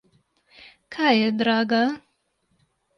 Kaj je draga?